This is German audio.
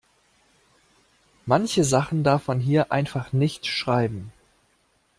Manche Sachen darf man hier einfach nicht schreiben.